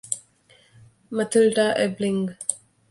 Mathilda Ebeling